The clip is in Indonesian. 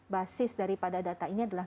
basis daripada data ini adalah